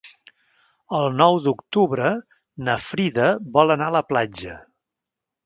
El nou d'octubre na Frida vol anar a la platja.